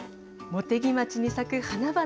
茂木町に咲く花々。